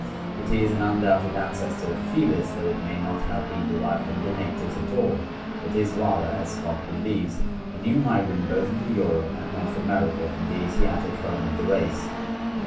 It is an undoubted ancestor of Fells, though it may not have been derived from Dinictis at all, but is rather, as Scott believes, a new migrant both into Europe and North America from the Asiatic home of the race.